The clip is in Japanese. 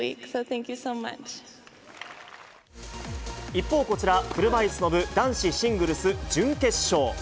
一方、こちら車いすの部、男子シングルス準決勝。